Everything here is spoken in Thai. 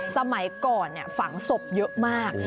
สมัยก่อนฝังศพเยอะมาก